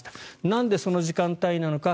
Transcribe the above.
なんで、その時間帯なのか。